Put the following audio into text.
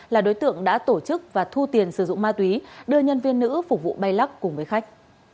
là đối tượng đã tổ chức và thu tiền sử dụng ma túy đưa nhân viên nữ phục vụ bay lắc cùng với khách